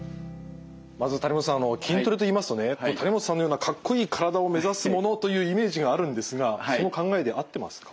まず谷本さん筋トレといいますとね谷本さんのようなかっこいい体を目指すものというイメージがあるんですがその考えで合ってますか？